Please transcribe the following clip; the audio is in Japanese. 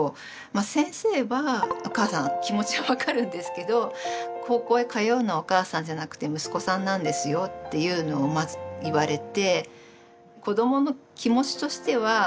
先生は「お母さん気持ちは分かるんですけど高校へ通うのはお母さんじゃなくて息子さんなんですよ」というのをまず言われて。